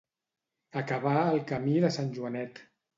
Acabar al camí de Sant Joanet.